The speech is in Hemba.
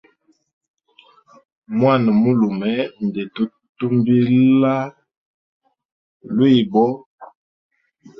Mwana mulume nda tutumbila lwibo.